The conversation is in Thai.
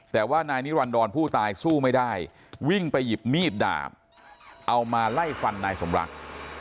แต่ว่านายนิรันดรผู้ตายสู้ไม่ได้วิ่งไปหยิบมีดดาบเอามาไล่ฟันนายสมรัก